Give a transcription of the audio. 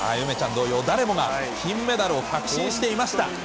梅ちゃん同様、誰もが金メダルを確信していました。